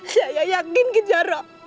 saya yakin kejar